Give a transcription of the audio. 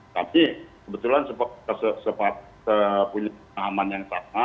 tapi sebetulnya sepatu punya nama yang sama